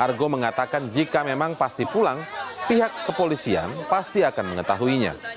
argo mengatakan jika memang pasti pulang pihak kepolisian pasti akan mengetahuinya